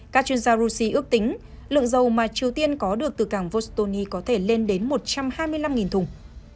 các chuyên gia russi ước tính lượng dầu mà triều tiên có được từ cảng vostony có thể lên đến một trăm hai mươi năm thùng